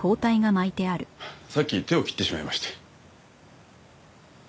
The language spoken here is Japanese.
さっき手を切ってしまいまして。